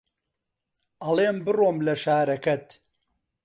ئەڵێم بڕۆم لە شارەکەت